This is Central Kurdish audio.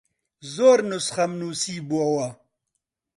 زۆر نوسخەم نووسیبۆوە